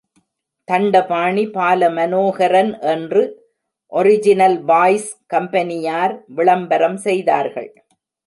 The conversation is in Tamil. தண்டபாணி பால மனோகரன் என்று ஒரிஜினல் பாய்ஸ் கம்பெனுயார் விளம்பரம் செய்தார்கள்.